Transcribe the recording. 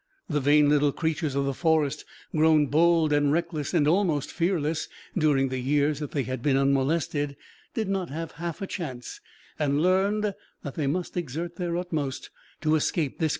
The vain little creatures of the forest, grown bold and reckless and almost fearless during the years that they had been unmolested, did not have half a chance, and learned that they must exert their utmost to escape this cruel forager.